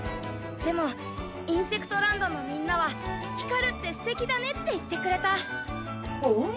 でもインセクトランドのみんなは光るってすてきだねって言ってくれた。